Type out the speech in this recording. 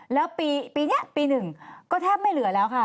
แล้วปีนี้ปีหนึ่งก็แทบไม่เหลือแล้วค่ะ